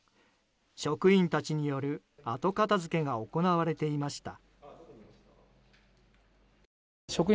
職員たちによる後片付けが行われていました。